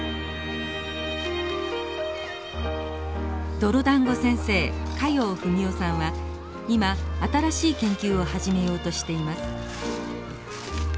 泥だんご先生加用文男さんは今新しい研究を始めようとしています。